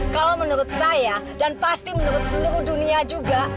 kalau menurut saya dan pasti menurut seluruh dunia juga